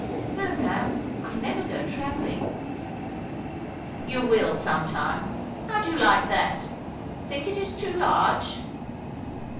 "No, ma'am. I never go travelling." "You will, some time. How do you like that? Think it is too large?"